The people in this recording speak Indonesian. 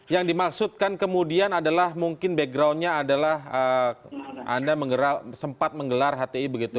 yang dimaksudkan kemudian adalah mungkin backgroundnya adalah anda sempat menggelar hti begitu